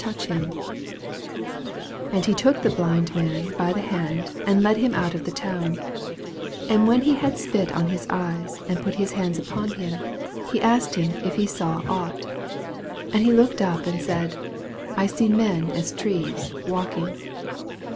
161 28 And he took the blind man by the hand, and led him out of the town ; and when he had spit on his eyes, and put his hands upon him, he asked him if ke saw ought. 24 And he looked up, and said, I see men as trees, walking.